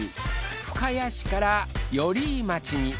深谷市から寄居町に。